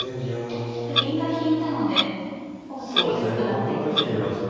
銀が引いたので取りやすくなっていますか。